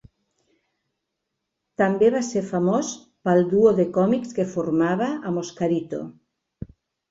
També va ser famós pel duo de còmics que formava amb Oscarito.